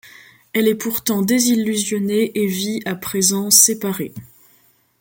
Elle est pourtant désillusionnée et vit, à présent, séparée.